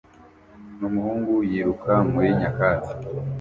umuhungu yiruka muri nyakatsi